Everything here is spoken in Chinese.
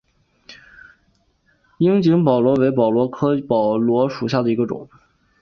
樱井宝螺为宝螺科宝螺属下的一个种。